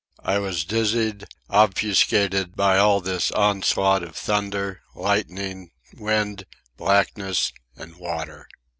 I was dizzied, obfuscated, by all this onslaught of thunder, lightning, wind, blackness, and water.